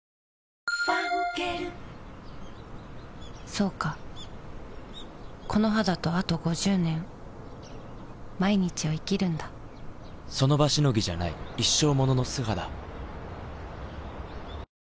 そうかこの肌とあと５０年その場しのぎじゃない一生ものの素肌